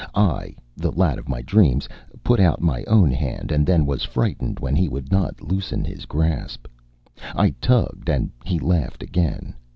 I, the lad of my dreams, put out my own hand, then was frightened when he would not loosen his grasp. I tugged, and he laughed again.